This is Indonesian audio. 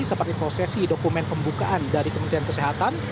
seperti prosesi dokumen pembukaan dari kementerian kesehatan